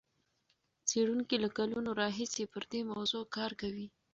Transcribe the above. څېړونکي له کلونو راهیسې پر دې موضوع کار کوي.